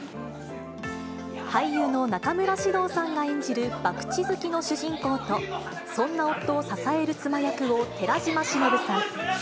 俳優の中村獅童さんが演じるばくち好きの主人公と、そんな夫を支える妻役を寺島しのぶさん。